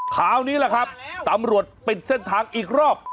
คราวนี้แหละครับตำรวจปิดเส้นทางอีกรอบ